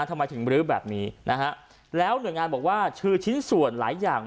ทำไมถึงบรื้อแบบนี้นะฮะแล้วหน่วยงานบอกว่าชื่อชิ้นส่วนหลายอย่าง